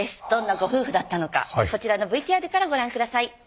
どんなご夫婦だったのかこちらのＶＴＲからご覧ください